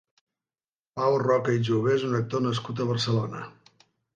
Pau Roca i Jover és un actor nascut a Barcelona.